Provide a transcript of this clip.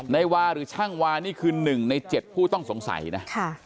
ในวาหรือช่างวานี่คือ๑ใน๗ผู้ต้องสงสัยนะ